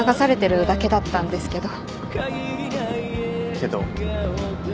けど？